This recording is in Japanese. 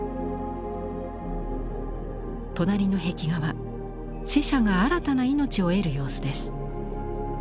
隣の壁画は死者が新たな命を得る様子です。